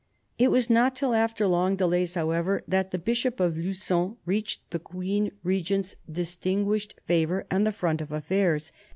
It was not till after long delays, however, that the Bishop of Lugon reached the Queen Regent's distinguished favour and the front of affairs.